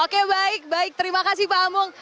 oke baik baik terima kasih pak amung